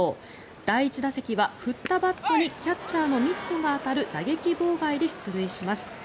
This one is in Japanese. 第１打席は振ったバットにキャッチャーのミットが当たる打撃妨害で出塁します。